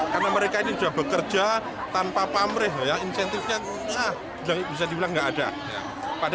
karena mereka ini sudah bekerja tanpa pamreh insentifnya bisa dibilang tidak ada